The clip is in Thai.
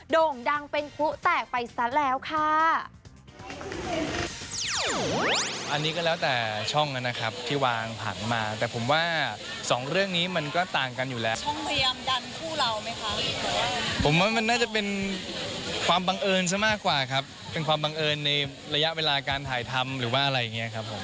โด่งดังเป็นผู้แตกไปซะแล้วค่ะ